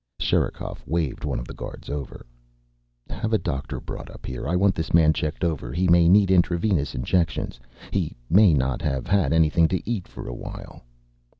Sherikov waved one of the guards over. "Have a doctor brought up here. I want this man checked over. He may need intravenous injections. He may not have had anything to eat for awhile."